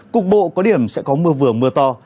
cục bộ có điểm sẽ có mưa vừa mưa to